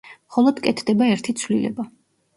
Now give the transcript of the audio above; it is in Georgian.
მხოლოდ კეთდება ერთი ცვლილება.